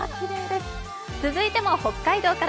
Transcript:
続いても北海道から。